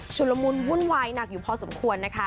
ละมุนวุ่นวายหนักอยู่พอสมควรนะคะ